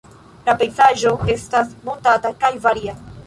La pejzaĝo estas monteta kaj varia.